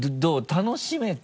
楽しめた？